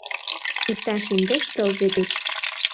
Иктаж индеш тылзе гыч.